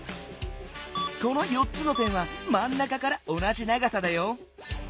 この４つの点はまんなかから同じ長さだよ。